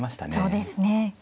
そうですね。